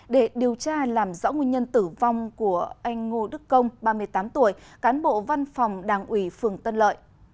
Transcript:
để điều tra làm rõ nguyên nhân tử vong của anh ngô đức công ba mươi tám tuổi cán bộ văn phòng đảng ủy phường tân lợi